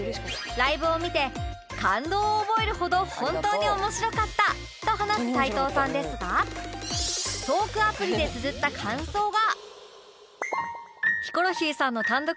ライブを見て感動を覚えるほど本当に面白かったと話す齊藤さんですがトークアプリでつづった感想が